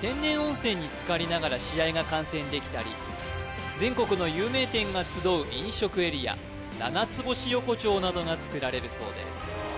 天然温泉につかりながら試合が観戦できたり全国の有名店が集う飲食エリア七つ星横丁などがつくられるそうです